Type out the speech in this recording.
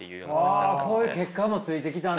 そういう結果もついてきたんだ。